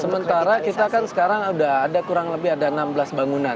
sementara kita kan sekarang sudah ada kurang lebih ada enam belas bangunan